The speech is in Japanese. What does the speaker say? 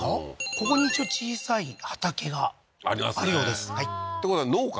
ここに一応小さい畑があるようですってことは農家？